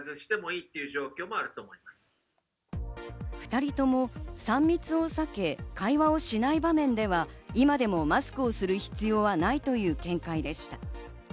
２人とも３密を避け、会話をしない場面では、今でもマスクをする必要はないという見解でした。